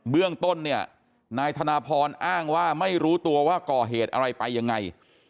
เรื่องต้นเนี่ยนายธนพรอ้างว่าไม่รู้ตัวว่าก่อเหตุอะไรไปยังไง